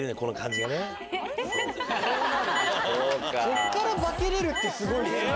こっから化けれるってすごいですよね。